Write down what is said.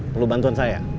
perlu bantuan saya